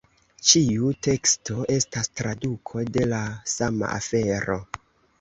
Ĉiu teksto estas traduko de la sama afero.